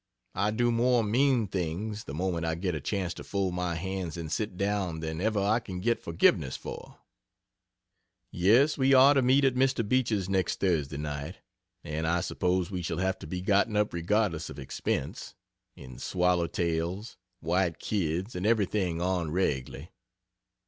I do more mean things, the moment I get a chance to fold my hands and sit down than ever I can get forgiveness for. Yes, we are to meet at Mr. Beach's next Thursday night, and I suppose we shall have to be gotten up regardless of expense, in swallow tails, white kids and everything en regle.